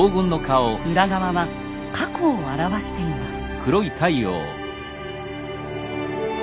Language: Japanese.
裏側は「過去」を表しています。